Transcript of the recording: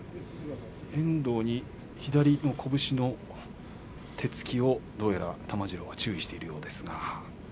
遠藤に左の拳の手つきをどうやら玉治郎は注意しているようですが。